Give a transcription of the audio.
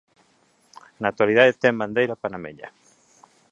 Na actualidade ten bandeira panameña.